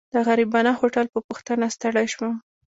د غریبانه هوټل په پوښتنه ستړی شوم.